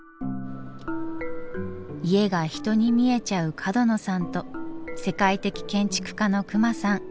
家が人に見えちゃう角野さんと世界的建築家の隈さん。